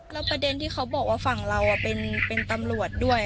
แล้วประเด็นที่เขาบอกว่าฝั่งเราเป็นตำรวจด้วย